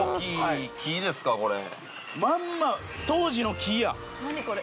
まんま当時の木や。